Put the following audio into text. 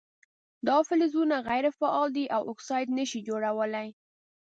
دا فلزونه غیر فعال دي او اکساید نه شي جوړولی.